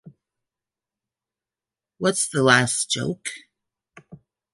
What's the last joke?